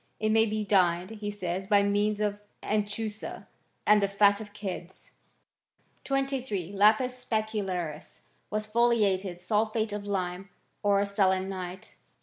It may be dyed, he says, by means of anchusa and the fat of kids, 23. Lapis specularis was foliated sulphate of lime, or selenite.